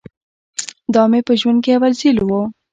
دا مې په ژوند کښې اول ځل و.